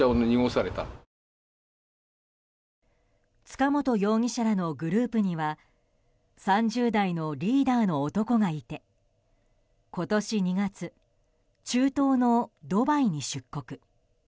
塚本容疑者らのグループには３０代のリーダーの男がいて今年２月、中東のドバイに出国。